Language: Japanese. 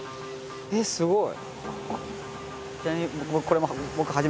えっすごい！